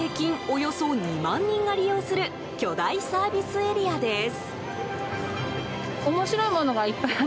およそ２万人が利用する巨大サービスエリアです。